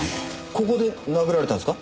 ここで殴られたんですか？